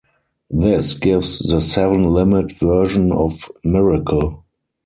This gives the seven-limit version of miracle.